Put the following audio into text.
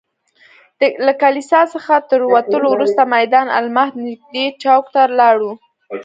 له کلیسا څخه تر وتلو وروسته میدان المهد نږدې چوک ته لاړو.